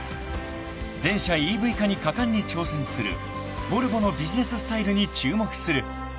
［全車ＥＶ化に果敢に挑戦するボルボのビジネススタイルに注目する］